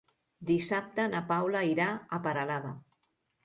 Dissabte na Paula irà a Peralada.